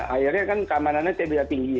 akhirnya kan keamanannya tidak berbeda tinggi